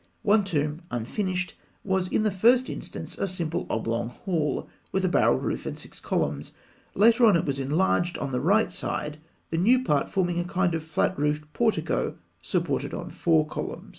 One tomb, unfinished, was in the first instance a simple oblong hall, with a barrel roof and six columns. Later on, it was enlarged on the right side, the new part forming a kind of flat roofed portico supported on four columns (fig.